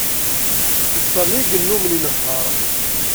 D Sami i yennummen inehheṛ.